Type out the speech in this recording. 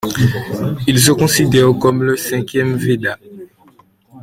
Il se considère comme le cinquième Veda.